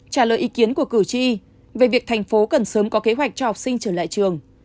trả lời ý kiến của cử tri về việc thành phố cần sớm có kế hoạch cho học sinh trở lại trường